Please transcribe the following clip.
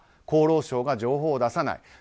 厚労省が情報を出さない。